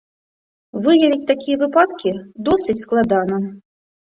Выявіць такія выпадкі досыць складана.